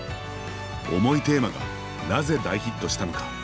重いテーマがなぜ大ヒットしたのか